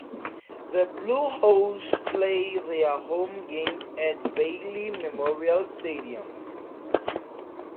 The Blue Hose play their home games at Bailey Memorial Stadium.